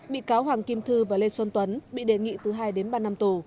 bị cáo hoàng kim thư và lê xuân tuấn bị đề nghị từ hai đến ba năm tù